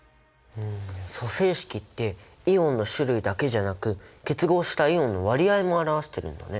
組成式ってイオンの種類だけじゃなく結合したイオンの割合も表してるんだね。